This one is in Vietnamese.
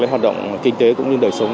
hoạt động kinh tế cũng như đời sống